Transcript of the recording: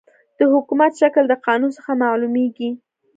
د حکومت شکل د قانون څخه معلوميږي.